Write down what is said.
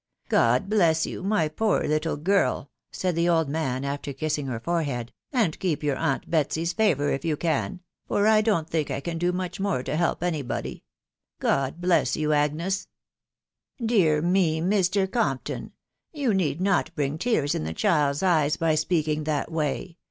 " God. bless you, nay poor little, girl !"taaid tthe eld man after kissing Jier forehead, 'fiand keep your aunt Betsy's favour if you can, ...... for I. don't thiak J eanvdoinuch more to help any body. .■•. ^.Godf bless ^ you, Agnes !" "Dear me, Mr. Compton !.... you need not bring team in the child's eyes by speaking that way.